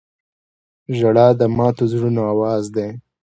• ژړا د ماتو زړونو آواز دی.